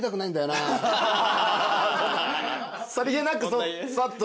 さりげなくさっと。